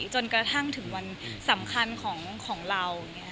จนกระทั่งถึงวันสำคัญของเรา